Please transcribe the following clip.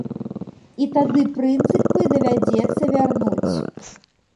І тады прынцыпы давядзецца вярнуць.